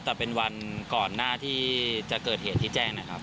แต่เป็นวันก่อนหน้าที่จะเกิดเหตุที่แจ้งนะครับ